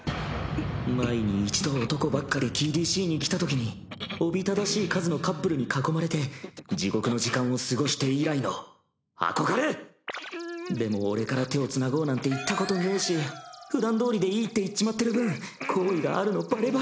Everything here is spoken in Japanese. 前に一度男ばっかで ＴＤＣ に来たときにおびただしい数のカップルに囲まれてでも俺から手をつなごうなんて言ったことねぇしふだんどおりでいいって言っちまってる分んっんん。